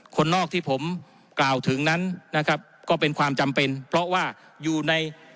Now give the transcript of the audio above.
คนนอกที่ผมกล่าวถึงนั้นนะครับก็เป็นความจำเป็นเพราะว่าอยู่ใน